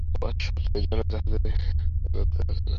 কুয়াশা এত ঘন যে, জাহাজ এগোতে পারছে না।